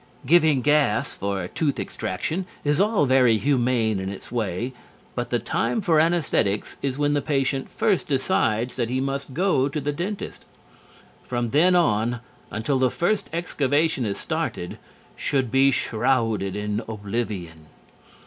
Giving gas for tooth extraction is all very humane in its way, but the time for anaesthetics is when the patient first decides that he must go to the dentist. From then on, until the first excavation is started, should be shrouded in oblivion.